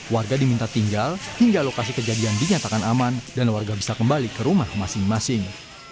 warga diminta tinggal hingga lokasi kejadian dinyatakan aman dan warga bisa kembali ke rumah masing masing